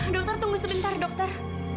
dokter tunggu sebentar dokter